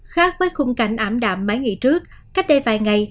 khác với khung cảnh ảm đạm mấy ngày trước cách đây vài ngày